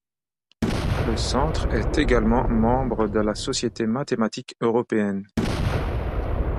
Le centre est également membre de la Société mathématique européenne.